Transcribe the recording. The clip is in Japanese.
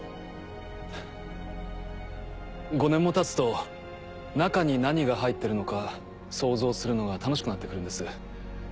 ５年もたつと中に何が入ってるのか想像するのが楽しくなって来るんです。